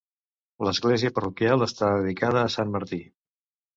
L'església parroquial està dedicada a sant Martí.